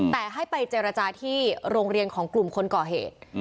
แต่ให้ไปเจรจาที่โรงเรียนของกลุ่มคนก่อเหตุ